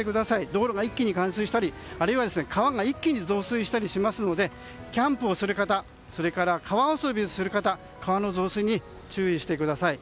道路が一気に冠水したり川が一気に増水したりしますのでキャンプをする方それから川遊びをする方川の増水に注意してください。